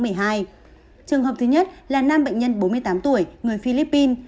trường hợp thứ nhất là nam bệnh nhân bốn mươi tám tuổi người philippines